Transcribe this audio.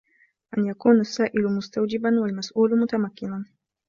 أَنْ يَكُونَ السَّائِلُ مُسْتَوْجِبًا وَالْمَسْئُولُ مُتَمَكِّنًا